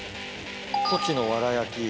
コチのワラ焼き。